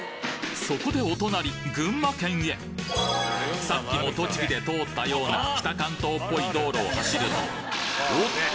そこでお隣さっきも栃木で通ったような北関東っぽい道路を走るとおっと！？